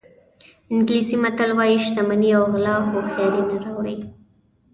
انګلیسي متل وایي شتمني او غلا هوښیاري نه راوړي.